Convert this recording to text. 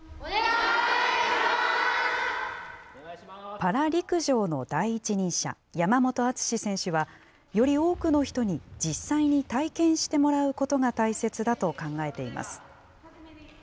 パラ陸上の第一人者、山本篤選手は、より多くの人に実際に体験してもらうことが大切だと考えています。